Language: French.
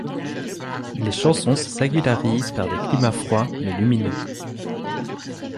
Les chansons se singularisent par des climats froids, mais lumineux.